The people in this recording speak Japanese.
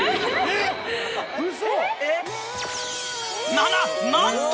［なな何と！